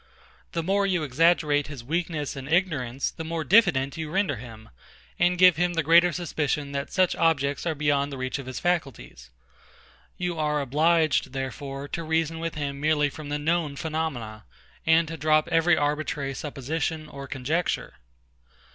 The more you exaggerate his weakness and ignorance, the more diffident you render him, and give him the greater suspicion that such subjects are beyond the reach of his faculties. You are obliged, therefore, to reason with him merely from the known phenomena, and to drop every arbitrary supposition or conjecture.